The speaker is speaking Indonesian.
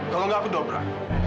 kalau enggak aku dobra